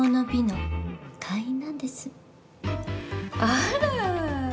あら！